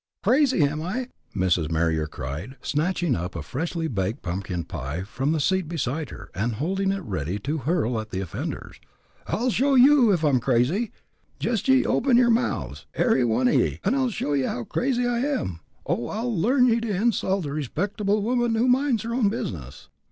"Crazy, am I?" Mrs. Marier cried, snatching up a freshly baked pumpkin pie from the seat beside her, and holding it ready to hurl at the offenders. "I'll show you if I'm crazy. Jest ye open yer mouths, ary one of ye, an' I'll show ye how crazy I am! Oh! I'll learn ye to insult a respectable woman, who minds her own business!"